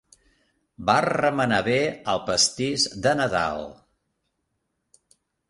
Va remenar bé el pastís de Nadal.